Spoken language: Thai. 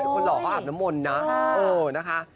คนหล่อเขาอาบนมนต์นะ